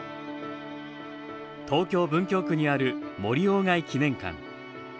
東京・文京区にある森鴎外記念館。